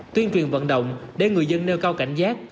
tuyên truyền vận động để người dân nêu cao cảnh giác